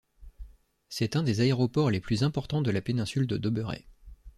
C'est un des aéroports les plus importants de la Péninsule de Doberai.